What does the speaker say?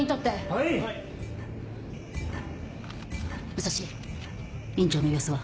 武蔵院長の様子は？